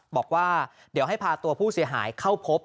บอกว่าเดี๋ยวให้พาตัวผู้เสียหายเข้าพบ